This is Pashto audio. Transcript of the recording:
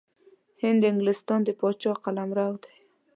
هند د انګلستان د پاچا قلمرو دی.